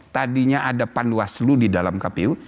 tadinya ada panwaslu di dalam kpu